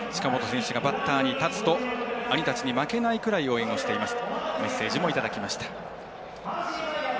バッターに立つと兄たちに負けないぐらい応援していますとメッセージもいただきました。